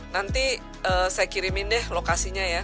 nanti saya kirimin deh lokasinya ya